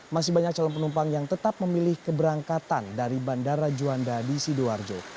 masih banyak calon penumpang yang tetap memilih keberangkatan dari bandara juanda di sidoarjo